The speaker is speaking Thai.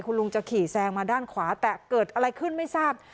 คุณลุงจะขี่แซงมาด้านขวาแต่เกิดอะไรขึ้นไม่ทราบ